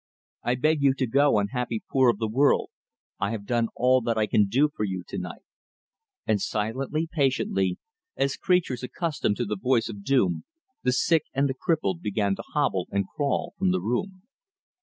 "I beg you to go, unhappy poor of the world! I have done all that I can do for you tonight." And silently, patiently, as creatures accustomed to the voice of doom, the sick and the crippled began to hobble and crawl from the room.